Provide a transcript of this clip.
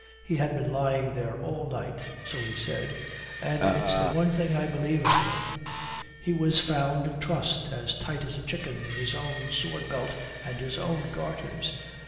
He had been lying there all night so he said, and it's the one thing I believe of him. He was found trussed as tight as a chicken in his own sword belt and his own garters.